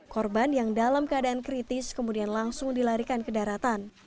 korban yang dalam keadaan kritis kemudian langsung dilarikan ke daratan